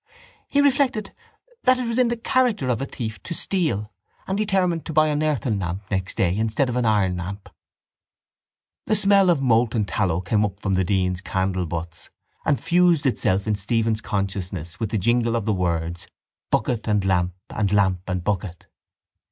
He reflected that it was in the character of a thief to steal and determined to buy an earthen lamp next day instead of the iron lamp. A smell of molten tallow came up from the dean's candle butts and fused itself in Stephen's consciousness with the jingle of the words, bucket and lamp and lamp and bucket.